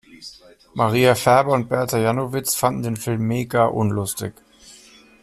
Maria Färber und Berta Janowitz fanden den Film mega unlustig.